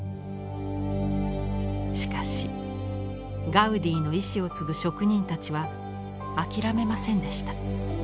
しかしガウディの遺志を継ぐ職人たちは諦めませんでした。